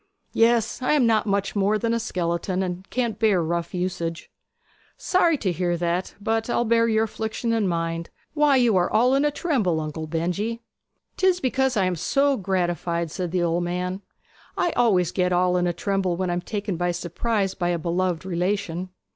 'Yes, I am not much more than a skeleton, and can't bear rough usage.' 'Sorry to hear that; but I'll bear your affliction in mind. Why, you are all in a tremble, Uncle Benjy!' ''Tis because I am so gratified,' said the old man. 'I always get all in a tremble when I am taken by surprise by a beloved relation.'